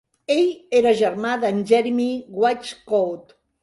Ell era germà de"n Jeremy Whichcote.